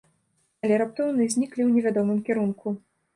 Але раптоўна зніклі ў невядомым кірунку.